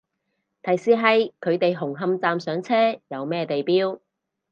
提示係佢哋紅磡站上車，有咩地標